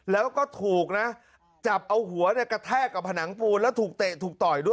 แล้วก็ถูกนะจับเอาหัวเนี่ยกระแทกกับผนังปูนแล้วถูกเตะถูกต่อยด้วย